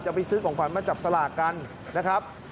ไปซื้อของขวัญมาจับสลากกันนะครับ